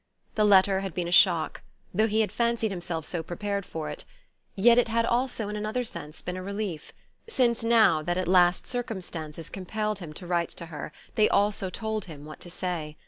The letter had been a shock though he had fancied himself so prepared for it yet it had also, in another sense, been a relief, since, now that at last circumstances compelled him to write to her, they also told him what to say.